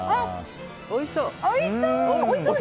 おいしそう！